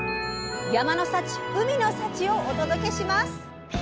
山の幸海の幸をお届けします！